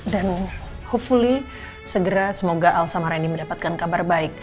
dan hopefully segera semoga al sama randy mendapatkan kabar baik